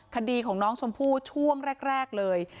คดีของน้องชมพู่ช่วงแรกเลย